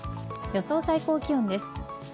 予想最高気温です。